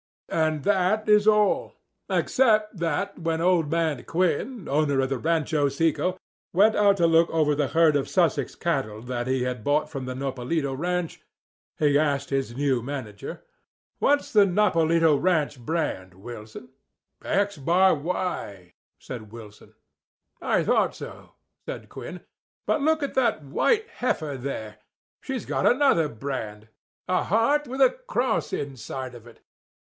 And that is all, except that when old man Quinn, owner of the Rancho Seco, went out to look over the herd of Sussex cattle that he had bought from the Nopalito ranch, he asked his new manager: "What's the Nopalito ranch brand, Wilson?" "X Bar Y," said Wilson. "I thought so," said Quinn. "But look at that white heifer there; she's got another brand—a heart with a cross inside of it.